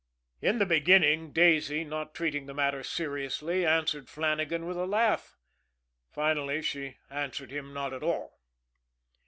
In the beginning, Daisy, not treating the matter seriously, answered Flannagan with a laugh; finally, she answered him not at all.